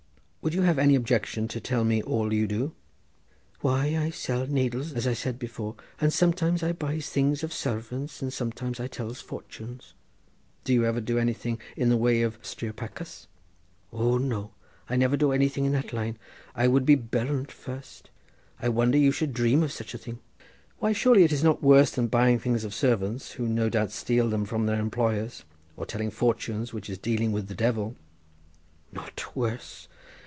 "Would you have any objection to tell me all you do?" "Why I sells needles, as I said before, and sometimes I buys things of servants, and sometimes I tells fortunes." "Do you ever do anything in the way of striopachas?" "O, no! I never do anything in that line; I would be burnt first. I wonder you should dream of such a thing." "Why surely it is not worse than buying things of servants, who no doubt steal them from their employers, or telling fortunes, which is dealing with the devil." "Not worse?